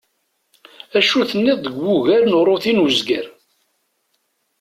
Acu tenniḍ deg wugar n uṛuti n uzger?